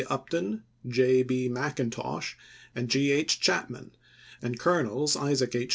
Upton, J. B. Mcintosh, and G. H. Chapman, and Colonels Isaac H.